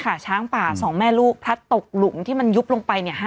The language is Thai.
ค่ะช้างป่าสองแม่ลูกพระตกหลุมที่มันยุบลงไปเนี่ย